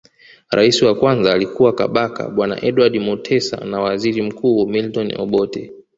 Rais wa kwanza alikuwa Kabaka bwana Edward Mutesa na waziri mkuu Milton Obote